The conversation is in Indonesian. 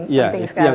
iya penting sekali